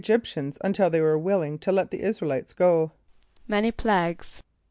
g][)y]p´tian[s+] until they were willing to let the [)I][s+]´ra el [=i]tes go? =Many plagues.